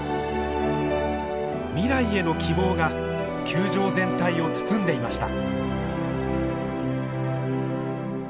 未来への希望が球場全体を包んでいました。